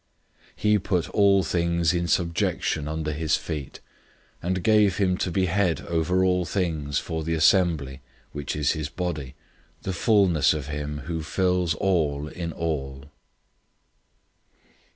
001:022 He put all things in subjection under his feet, and gave him to be head over all things for the assembly, 001:023 which is his body, the fullness of him who fills all in all.